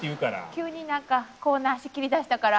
急になんかコーナー仕切りだしたから。